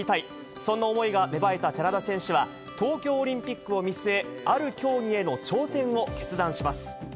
そんな思いが芽生えた寺田選手は、東京オリンピックを見据え、ある競技への挑戦を決断します。